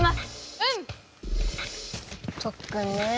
うん！とっくんねえ。